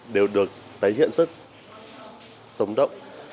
đều được tái hiện rất sống động